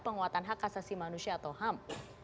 penguatan hak asasi manusia atau ham